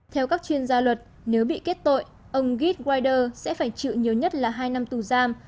theo các chuyên gia luật nếu bị kết tội ông gizuider sẽ phải chịu nhiều nhất là hai năm tù giam